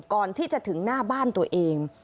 ก่อนที่จะถึงหน้าบ้านตัวเอง